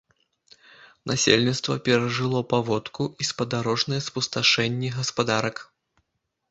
Насельніцтва перажыло паводку і спадарожнае спусташэнне гаспадарак.